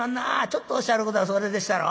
ちょっとおっしゃることがそれでっしゃろ。